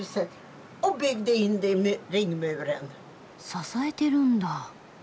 支えてるんだ。